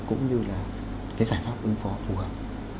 cũng như là cái giải pháp ứng phó phù hợp